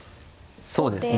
そうですね。